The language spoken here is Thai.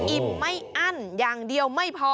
อิ่มไม่อั้นอย่างเดียวไม่พอ